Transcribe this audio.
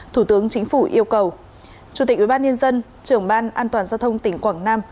thủ tướng chính phủ yêu cầu chủ tịch ubnd trưởng ban an toàn giao thông tỉnh quảng nam